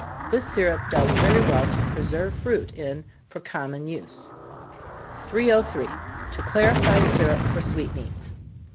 This syrup does very well to preserve fruit in for common use. 303. _To clarify Syrup for Sweetmeats.